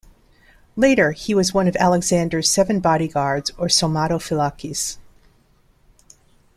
Later, he was one of Alexander's seven bodyguards, or somatophylakes.